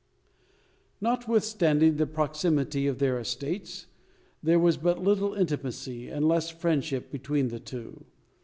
Notwithstanding the proximity of their estates, there was but little intimacy, and less friendship, between the two.